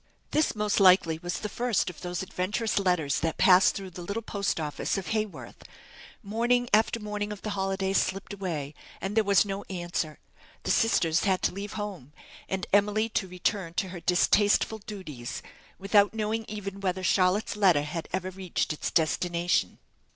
This, most likely, was the first of those adventurous letters that passed through the little post office of Haworth. Morning after morning of the holidays slipped away, and there was no answer; the sisters had to leave home, and Emily to return to her distasteful duties, without knowing even whether Charlotte's letter had ever reached its destination.